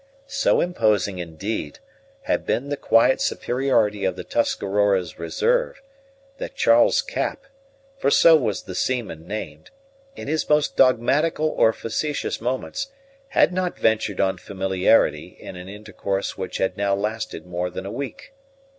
So imposing, indeed, had been the quiet superiority of the Tuscarora's reserve, that Charles Cap, for so was the seaman named, in his most dogmatical or facetious moments, had not ventured on familiarity in an intercourse which had now lasted more than a week.